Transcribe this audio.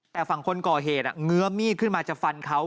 แต่ฝั่งคนก่อเหตุเงื้อมีดขึ้นมาจะฟันเขา